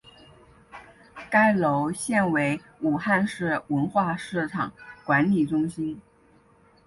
该楼现为武汉市文化市场管理中心。